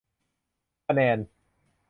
คะแนน